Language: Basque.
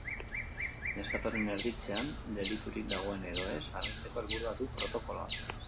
Neskatoaren erditzean deliturik dagoen edo ez argitzeko helburua du protokoloak.